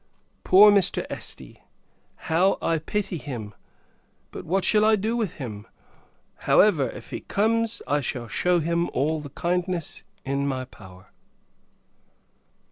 Poor Mr. Este, how I pity him! but, what shall I do with him? However, if he comes, I shall shew him all the kindness in my power.